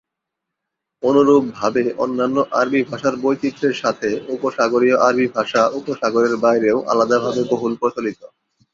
অনুরূপভাবে অন্যান্য আরবী ভাষার বৈচিত্র্যের সাথে, উপসাগরীয় আরবি ভাষা উপসাগরের বাইরেও আলাদাভাবে বহুল প্রচলিত।